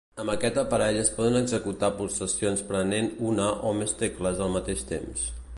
Amb aquest aparell es poden executar pulsacions prement una o més tecles al mateix temps.